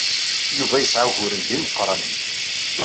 Yuba yesɛa uguren d imeqranen.